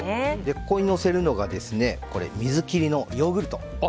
ここにのせるのが水切りのヨーグルト。